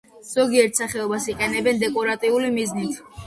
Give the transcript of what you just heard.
ზოგიერთ სახეობას იყენებენ დეკორატიული მიზნით.